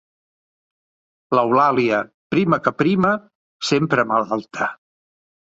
L'Eulàlia, prima que prima, sempre malalta.